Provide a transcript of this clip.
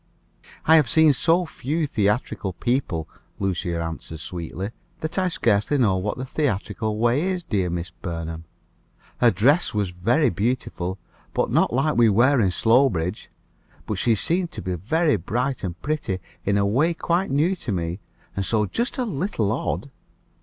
"I have seen so very few theatrical people," Lucia answered sweetly, "that I scarcely know what the theatrical way is, dear Mrs. Burnham. Her dress was very beautiful, and not like what we wear in Slowbridge; but she seemed to me to be very bright and pretty, in a way quite new to me, and so just a little odd."